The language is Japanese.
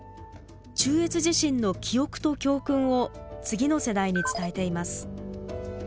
中越地震の記憶と教訓を次の世代に伝えています。